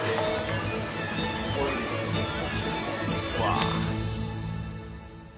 うわ。